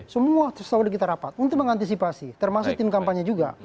semua saudara kita rapat untuk mengantisipasi termasuk tim kampanye juga